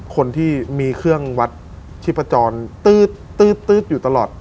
คนที่มีเครื่องวัดชีพจรตื๊ดอยู่ตลอด